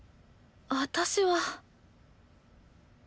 私は。